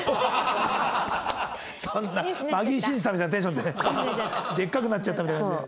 そんなマギー審司さんみたいなテンションで「でっかくなっちゃった！」みたいな感じで。